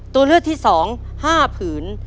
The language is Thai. ตัวเลือดที่สอง๕ผืน